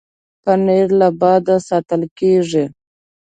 پنېر له باده ساتل کېږي.